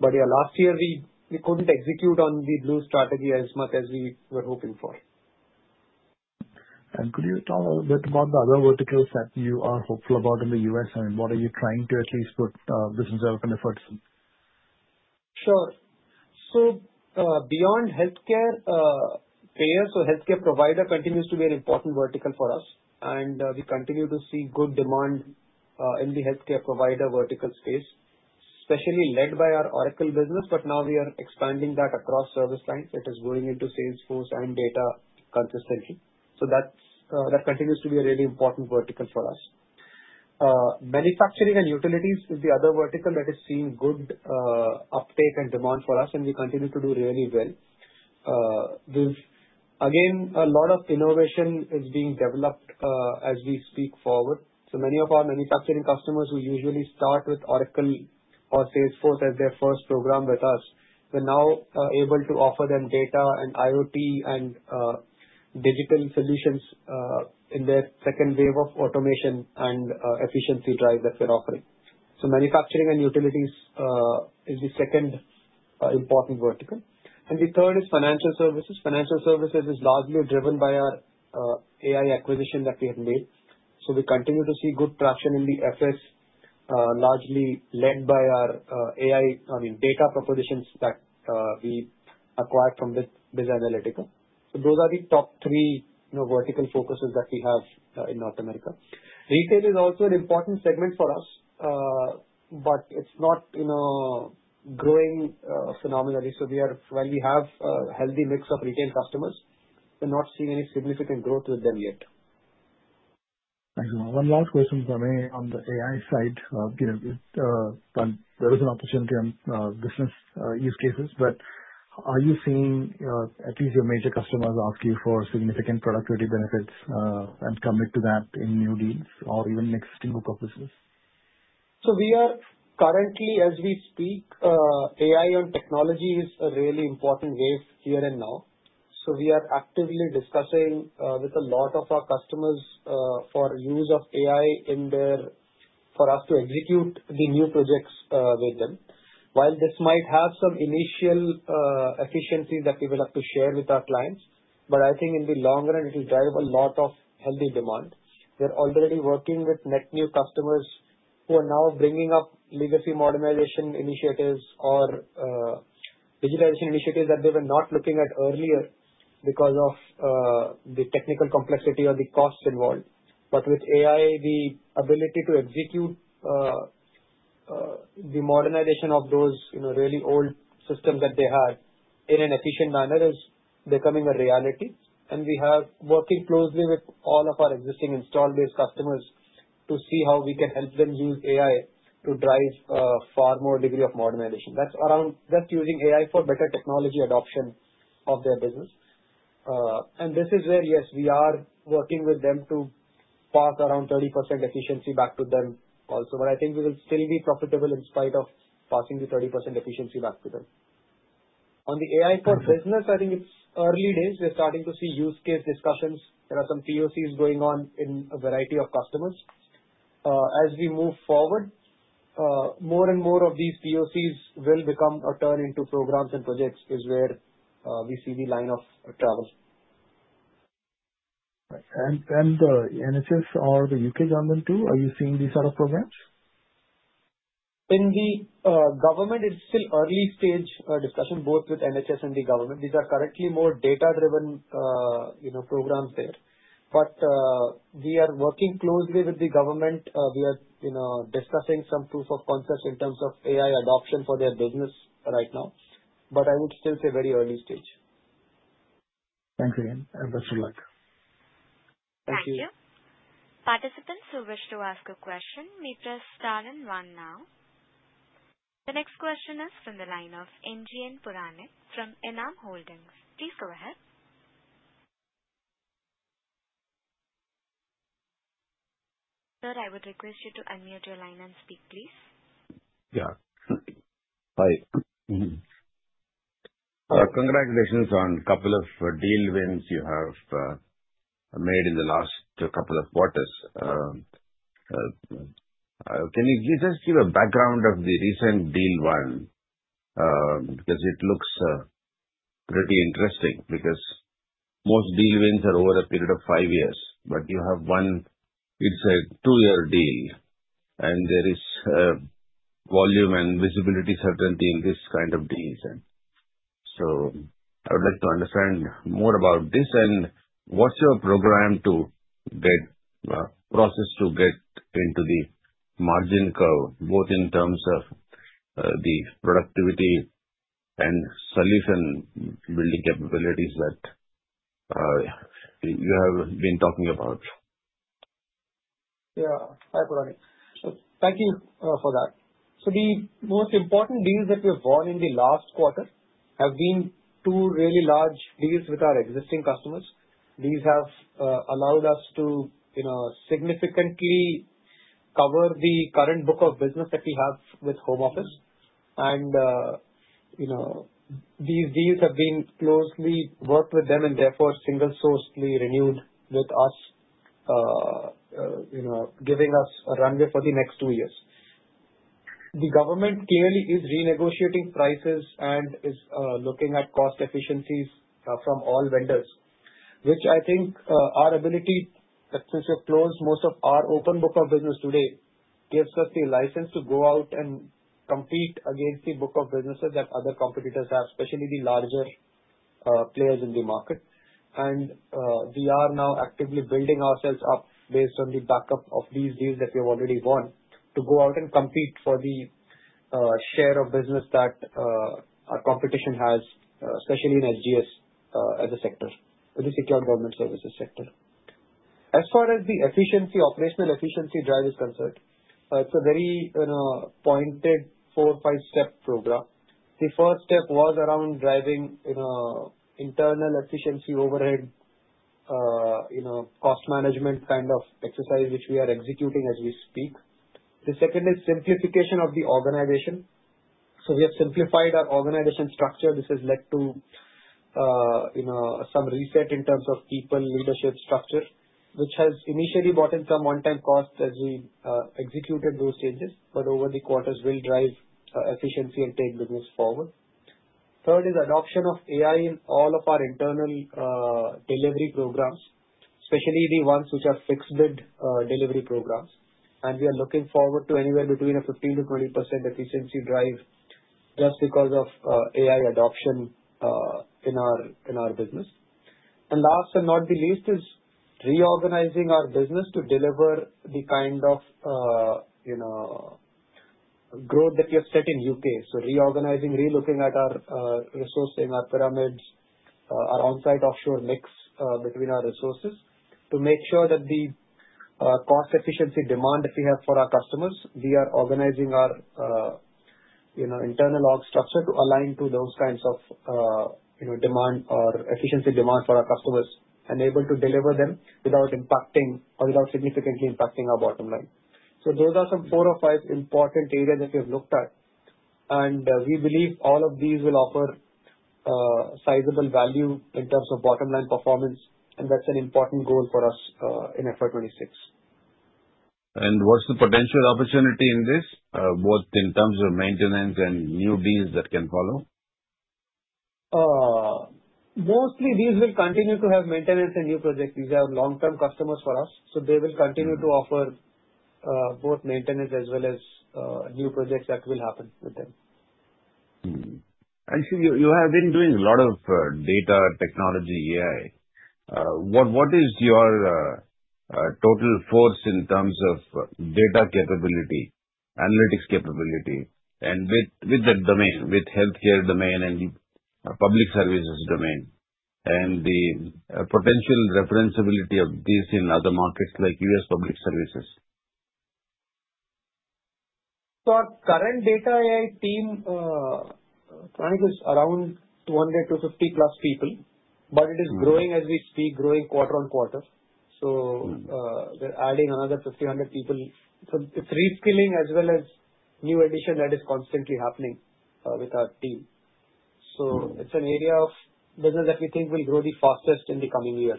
Last year, we could not execute on the Blues strategy as much as we were hoping for. Could you talk a little bit about the other verticals that you are hopeful about in the U.S.? And what are you trying to at least put business development efforts in? Sure. Beyond healthcare, payers or healthcare providers continue to be an important vertical for us, and we continue to see good demand in the healthcare provider vertical space, especially led by our Oracle business. Now we are expanding that across service lines. It is going into Salesforce and Data consistently. That continues to be a really important vertical for us. Manufacturing and utilities is the other vertical that is seeing good uptake and demand for us, and we continue to do really well. A lot of innovation is being developed as we speak forward. Many of our manufacturing customers who usually start with Oracle or Salesforce as their first program with us, we're now able to offer them Data and IoT and digital solutions in their second wave of automation and efficiency drive that we're offering. Manufacturing and utilities is the second important vertical. The third is financial services. Financial services is largely driven by our AI acquisition that we have made. We continue to see good traction in the FS, largely led by our AI, I mean, data propositions that we acquired from BizAnalytica. Those are the top three vertical focuses that we have in North America. Retail is also an important segment for us, but it's not growing phenomenally. While we have a healthy mix of retail customers, we're not seeing any significant growth with them yet. Thank you. One last question for me on the AI side. There is an opportunity on business use cases, but are you seeing at least your major customers ask you for significant productivity benefits and commit to that in new deals or even in existing book of business? We are currently, as we speak, AI on technology is a really important wave here and now. We are actively discussing with a lot of our customers for use of AI for us to execute the new projects with them. While this might have some initial efficiencies that we would have to share with our clients, I think in the long run, it will drive a lot of healthy demand. We are already working with net new customers who are now bringing up legacy modernization initiatives or digitization initiatives that they were not looking at earlier because of the technical complexity or the costs involved. With AI, the ability to execute the modernization of those really old systems that they had in an efficient manner is becoming a reality. We are working closely with all of our existing install-based customers to see how we can help them use AI to drive a far more degree of modernization. That is using AI for better technology adoption of their business. This is where, yes, we are working with them to pass around 30% efficiency back to them also. I think we will still be profitable in spite of passing the 30% efficiency back to them. On the AI for business, I think it is early days. We are starting to see use case discussions. There are some POCs going on in a variety of customers. As we move forward, more and more of these POCs will become a turn into programs and projects is where we see the line of travel. Are the NHS or the U.K. government too, are you seeing these sort of programs? In the government, it's still early stage discussion, both with NHS and the government. These are currently more data-driven programs there. We are working closely with the government. We are discussing some proof of concepts in terms of AI adoption for their business right now. I would still say very early stage. Thank you again. Best of luck. Thank you. Thank you. Participants who wish to ask a question may press star and one now. The next question is from the line of NGN Puranik from ENAM Holdings. Please go ahead. Sir, I would request you to unmute your line and speak, please. Yeah. Hi. Congratulations on a couple of deal wins you have made in the last couple of quarters. Can you just give a background of the recent deal one? Because it looks pretty interesting because most deal wins are over a period of five years. You have one, it's a two-year deal, and there is volume and visibility certainty in this kind of deals. I would like to understand more about this and what's your program to get process to get into the margin curve, both in terms of the productivity and solution building capabilities that you have been talking about? Yeah. Hi, Puranik. Thank you for that. The most important deals that we have won in the last quarter have been two really large deals with our existing customers. These have allowed us to significantly cover the current book of business that we have with Home Office. These deals have been closely worked with them and therefore single-sourced renewed with us, giving us a runway for the next two years. The government clearly is renegotiating prices and is looking at cost efficiencies from all vendors, which I think our ability that since we've closed most of our open book of business today gives us the license to go out and compete against the book of businesses that other competitors have, especially the larger players in the market. We are now actively building ourselves up based on the backup of these deals that we have already won to go out and compete for the share of business that our competition has, especially in SGS as a sector, the secure government services sector. As far as the efficiency, operational efficiency drive is concerned, it is a very pointed four, five-step program. The first step was around driving internal efficiency overhead cost management kind of exercise, which we are executing as we speak. The second is simplification of the organization. We have simplified our organization structure. This has led to some reset in terms of people leadership structure, which has initially brought in some one-time costs as we executed those changes. Over the quarters, we will drive efficiency and take business forward. Third is adoption of AI in all of our internal delivery programs, especially the ones which are fixed bid delivery programs. We are looking forward to anywhere between a 15%-20% efficiency drive just because of AI adoption in our business. Last and not the least is reorganizing our business to deliver the kind of growth that we have set in the U.K. Reorganizing, relooking at our resourcing, our pyramids, our on-site offshore mix between our resources to make sure that the cost efficiency demand that we have for our customers, we are organizing our internal org structure to align to those kinds of demand or efficiency demand for our customers and able to deliver them without impacting or without significantly impacting our bottom line. Those are some four or five important areas that we have looked at. We believe all of these will offer sizable value in terms of bottom-line performance. That is an important goal for us in FY2026. What is the potential opportunity in this, both in terms of maintenance and new deals that can follow? Mostly, these will continue to have maintenance and new projects. These are long-term customers for us. They will continue to offer both maintenance as well as new projects that will happen with them. Actually, you have been doing a lot of data, technology, AI. What is your total force in terms of data capability, analytics capability, and with the domain, with healthcare domain and public services domain, and the potential referenciability of these in other markets like U.S. public services? Our current Data AI team, Puranik, is around 200-250 plus people, but it is growing as we speak, growing quarter on quarter. We're adding another 50-100 people. It is reskilling as well as new addition that is constantly happening with our team. It is an area of business that we think will grow the fastest in the coming year.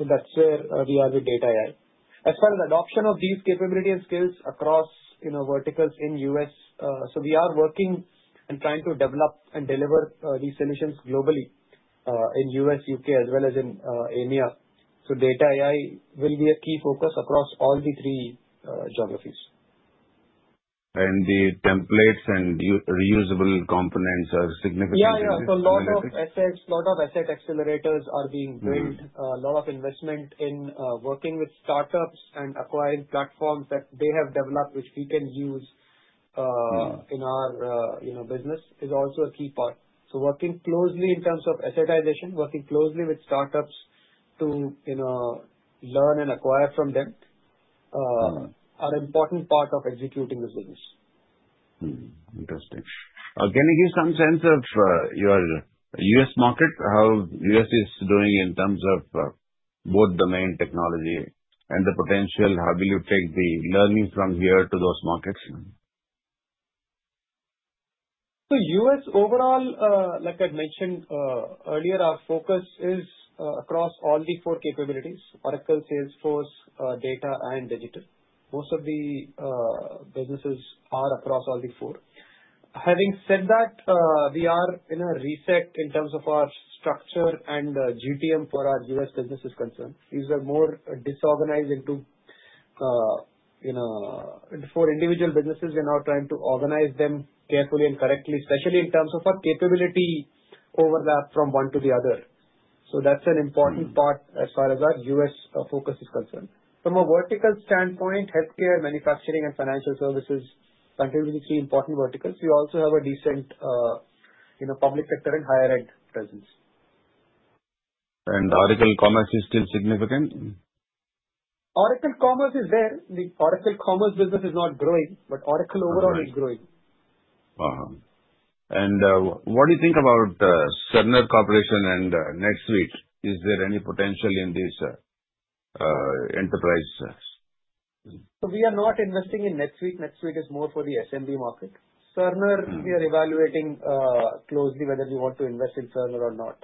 That is where we are with Data AI. As far as adoption of these capability and skills across verticals in the U.S., we are working and trying to develop and deliver these solutions globally in the U.S., U.K., as well as in EMEA. Data AI will be a key focus across all the three geographies. The templates and reusable components are significantly improving. Yeah, yeah. A lot of assets, a lot of asset accelerators are being built. A lot of investment in working with startups and acquiring platforms that they have developed, which we can use in our business, is also a key part. Working closely in terms of assetization, working closely with startups to learn and acquire from them are an important part of executing this business. Interesting. Can you give some sense of your U.S. market, how U.S. is doing in terms of both the main technology and the potential? How will you take the learnings from here to those markets? U.S. overall, like I mentioned earlier, our focus is across all the four capabilities: Oracle, Salesforce, Data, and Digital. Most of the businesses are across all the four. Having said that, we are in a reset in terms of our structure and GTM for our U.S. business is concerned. These are more disorganized into four individual businesses. We're now trying to organize them carefully and correctly, especially in terms of our capability overlap from one to the other. That's an important part as far as our U.S. focus is concerned. From a vertical standpoint, healthcare, manufacturing, and financial services continue to be three important verticals. We also have a decent public sector and higher-ed presence. Is Oracle Commerce still significant? Oracle Commerce is there. The Oracle Commerce business is not growing, but Oracle overall is growing. What do you think about Cerner Corporation and NetSuite? Is there any potential in these enterprises? We are not investing in NetSuite. NetSuite is more for the SMB market. Cerner, we are evaluating closely whether we want to invest in Cerner or not.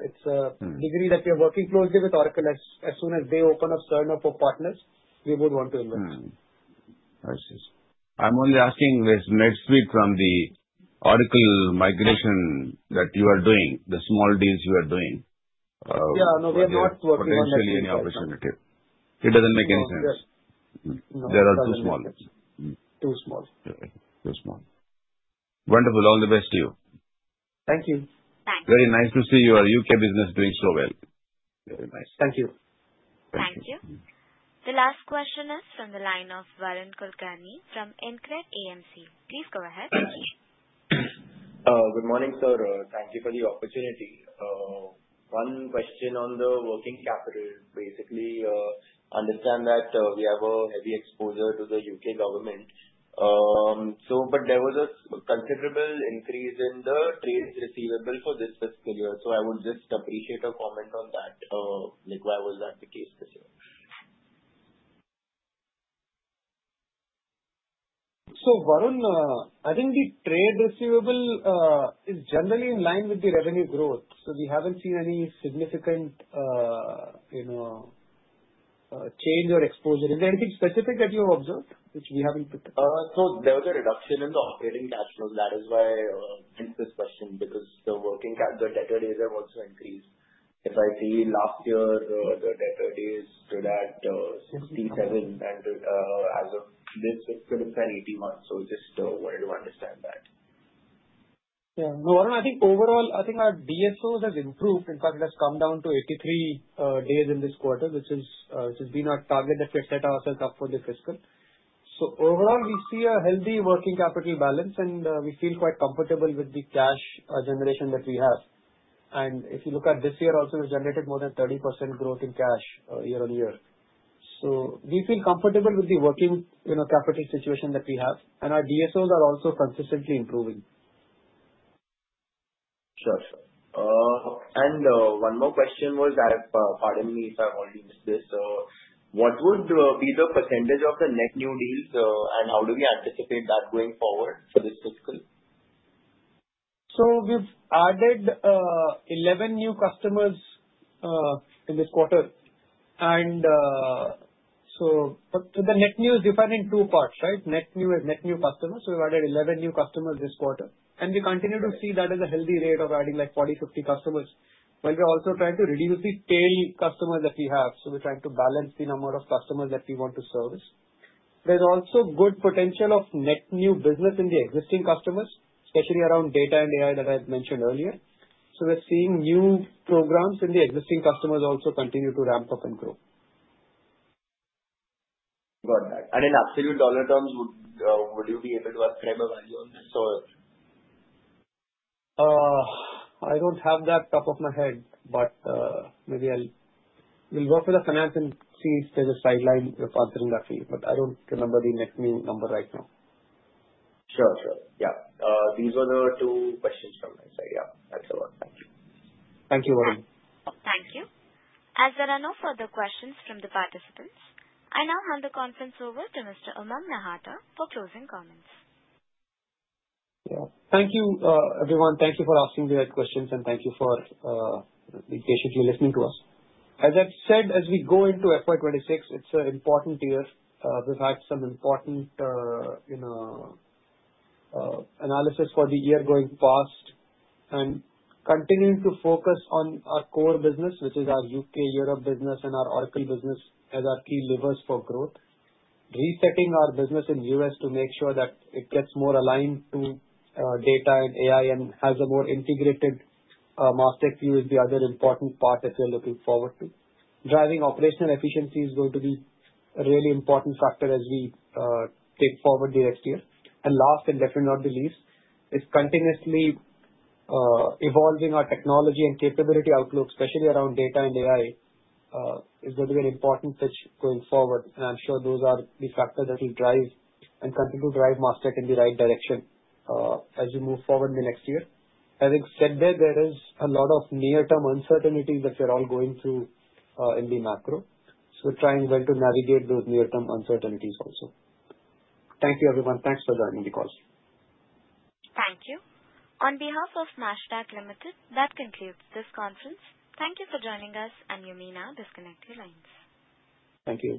It is a degree that we are working closely with Oracle. As soon as they open up Cerner for partners, we would want to invest. I see. I'm only asking with NetSuite from the Oracle migration that you are doing, the small deals you are doing. Yeah, no, we are not working on NetSuite. Potentially any opportunity. It doesn't make any sense. No, no. They're all too small. Too small. Okay. Too small. Wonderful. All the best to you. Thank you. Very nice to see your U.K. business doing so well. Very nice. Thank you. Thank you. The last question is from the line of Varun Kulkarni from InCred AMC. Please go ahead. Good morning, sir. Thank you for the opportunity. One question on the working capital. Basically, I understand that we have a heavy exposure to the U.K. government. There was a considerable increase in the trade receivable for this fiscal year. I would just appreciate a comment on that. Why was that the case this year? Varun, I think the trade receivable is generally in line with the revenue growth. We haven't seen any significant change or exposure. Is there anything specific that you observed, which we haven't? There was a reduction in the operating cash flow. That is why I asked this question because the working cash, the debtor days have also increased. If I see last year, the debtor days stood at 67. And as of this fiscal, it's at 81. Just wanted to understand that. Yeah. No, Varun, I think overall, I think our DSOs have improved. In fact, it has come down to 83 days in this quarter, which has been our target that we have set ourselves up for the fiscal. Overall, we see a healthy working capital balance, and we feel quite comfortable with the cash generation that we have. If you look at this year also, we've generated more than 30% growth in cash year on year. We feel comfortable with the working capital situation that we have. Our DSOs are also consistently improving. Sure. One more question was, pardon me if I've already missed this. What would be the percentage of the net new deals, and how do we anticipate that going forward for this fiscal? We have added 11 new customers in this quarter. The net new is defined in two parts, right? Net new is net new customers. We have added 11 new customers this quarter. We continue to see that as a healthy rate of adding like 40-50 customers. We are also trying to reduce the tail customers that we have. We are trying to balance the number of customers that we want to service. There is also good potential of net new business in the existing customers, especially around Data and AI that I have mentioned earlier. We are seeing new programs in the existing customers also continue to ramp up and grow. Got that. In absolute dollar terms, would you be able to ascribe a value on this? I don't have that top of my head, but maybe I'll work with the finance and see if there's a sideline for answering that for you. I don't remember the net new number right now. Sure, sure. Yeah. These were the two questions from my side. Yeah. That's all. Thank you. Thank you, Varun. Thank you. As there are no further questions from the participants, I now hand the conference over to Mr. Umang Nahata for closing comments. Yeah. Thank you, everyone. Thank you for asking the right questions, and thank you for being patiently listening to us. As I've said, as we go into FY2026, it's an important year. We've had some important analysis for the year going past and continue to focus on our core business, which is our U.K., Europe business, and our Oracle business as our key levers for growth. Resetting our business in the U.S. to make sure that it gets more aligned to Data and AI and has a more integrated Mastek view is the other important part that we're looking forward to. Driving operational efficiency is going to be a really important factor as we take forward the next year. Last, and definitely not the least, is continuously evolving our technology and capability outlook, especially around Data and AI, is going to be an important pitch going forward. I am sure those are the factors that will drive and continue to drive Mastek in the right direction as we move forward in the next year. Having said that, there is a lot of near-term uncertainties that we are all going through in the macro. We are trying well to navigate those near-term uncertainties also. Thank you, everyone. Thanks for joining the call. Thank you. On behalf of Mastek Limited, that concludes this conference. Thank you for joining us, and you may now disconnect your lines. Thank you.